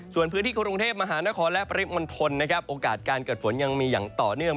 ส่วนพื้นที่กรุงเทพมหานครและปริมณฑลนะครับโอกาสการเกิดฝนยังมีอย่างต่อเนื่อง